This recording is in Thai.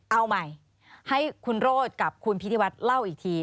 เอาใหม่ให้คุณโรธกับคุณพิธีวัฒน์เล่าอีกที